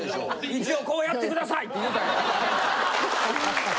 一応こうやってくださいって言うたんやろ。